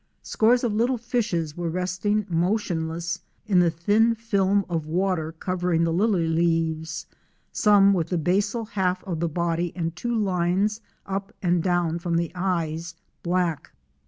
Scores of little fishes were resting motionless in the thin film of water covering the lily leaves, some with the basal half of the body and two lines up and down from the eyes, black.